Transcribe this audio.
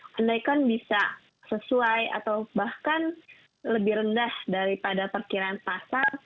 kenaikan bisa sesuai atau bahkan lebih rendah daripada perkiraan pasar